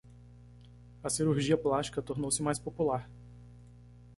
A cirurgia plástica tornou-se mais popular.